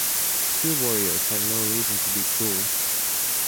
True warriors have no reason to be cruel.